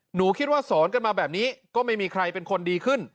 หนูคิดว่าสอนกันมาแบบนี้ก็ไม่มีใครเป็นคนดีขึ้น